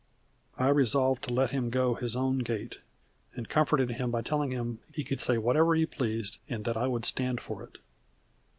_" I resolved to let him go his own gait, and comforted him by telling him he could say whatever he pleased, and that I would "stand for it."